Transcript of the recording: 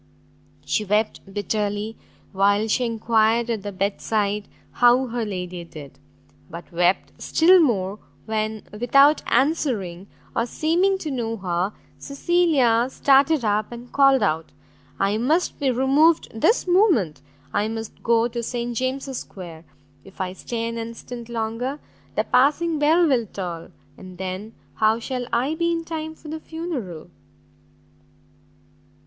She wept bitterly while she enquired at the bed side how her lady did, but wept still more, when, without answering, or seeming to know her, Cecilia started up, and called out, "I must be removed this moment! I must go to St James's square, if I stay an instant longer, the passing bell will toll, and then how shall I be in time for the funeral?"